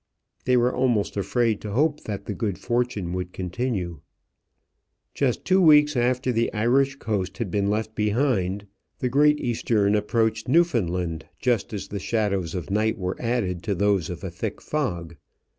They were almost afraid to hope that the good fortune would continue. Just two weeks after the Irish coast had been left behind the Great Eastern approached Newfoundland just as the shadows of night were added to those of a thick fog.